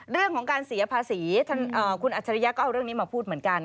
เรื่องของการเสียภาษีคุณอัจฉริยะก็เอาเรื่องนี้มาพูดเหมือนกัน